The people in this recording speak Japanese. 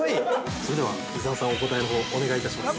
◆それでは、伊沢さんお答えのほう、お願いいたします。